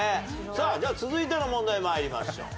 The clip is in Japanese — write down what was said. さあでは続いての問題参りましょう。